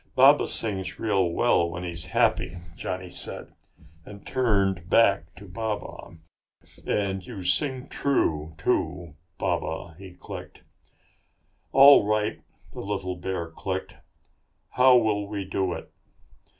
"Baba sings real well when he's happy," Johnny said, and turned back to Baba. "And you sing true, too, Baba," he clicked. "All right," the little bear clicked. "How will we do it?"